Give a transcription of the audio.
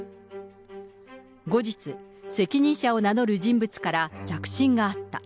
後日、責任者を名乗る人物から着信があった。